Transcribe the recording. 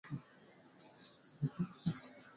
baraza la usalama la umoja wa mataifa lilisitishwa kwa muda